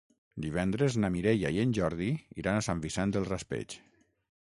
Divendres na Mireia i en Jordi iran a Sant Vicent del Raspeig.